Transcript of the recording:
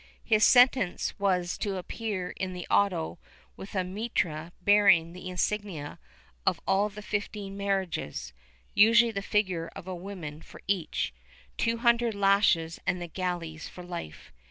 His sentence was to appear in the auto with a mitre bearing the insignia of all the fifteen marriages (usually the figure of a woman for each), two hundred lashes and the galleys for life.